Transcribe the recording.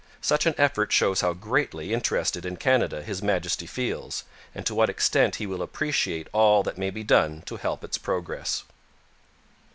Such an effort shows how greatly interested in Canada His Majesty feels, and to what extent he will appreciate all that may be done to help its progress.